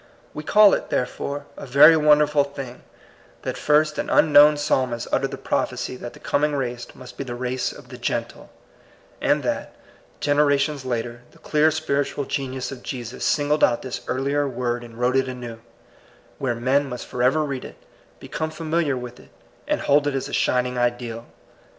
We call it, therefore, a very wonderful thing, that first an un TBE PROPBBCT, 11 known psalmist uttered the prophecy that the coming race must be the race of the gentle ; and that, generations later, the clear spiritual genius of Jesus singled out this earlier word and wrote it anew, where men must forever read it, become familiar with it, and hold it as a shining ideal.